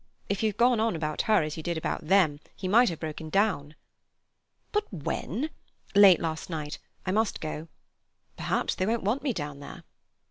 If you'd gone on about her, as you did about them, he might have broken down." "But when—" "Late last night. I must go." "Perhaps they won't want me down there."